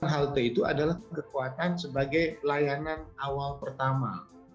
halte itu adalah kekuatan sebagai layanan awal pertama